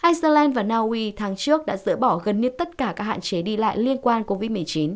iceland và naui tháng trước đã dỡ bỏ gần như tất cả các hạn chế đi lại liên quan covid một mươi chín